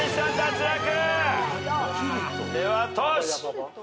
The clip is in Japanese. ではトシ。